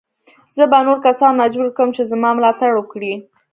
زه به نور کسان مجبور کړم چې زما ملاتړ وکړي.